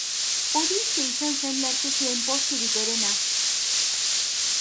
Horixe izan zen lortu zuen posturik gorena.